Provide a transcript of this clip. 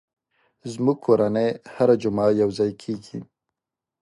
زموږ کورنۍ هره جمعه یو ځای کېږي.